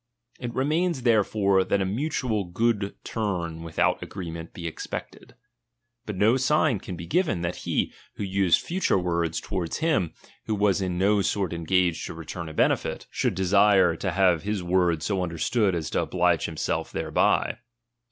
It remains therefore, that a mutual good turn with out agreement be expected. But no sign can be given, that he, who used future words toward him who was in no sort engaged to return a benefit, I I Tigbla bj word Mgni^ing the 20 LIBERTY. should desire to have his words so understood as to oblige himself thereby.